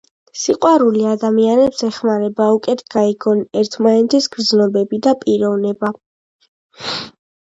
სიყვარული ადამიანებს ეხმარება, უკეთ გაიგონ ერთმანეთის გრძნობები და პიროვნება.